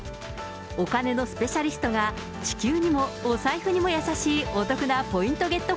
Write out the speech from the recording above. お金のスペシャリストが、地球にもお財布にも優しい、お得なポイントゲット